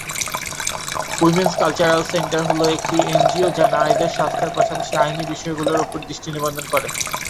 Women's cultural centre হলো একটি NGO যা নারীদের স্বাস্থ্যের পাশাপাশি আইনী বিষয়গুলির উপর দৃষ্টি নিবদ্ধ করে।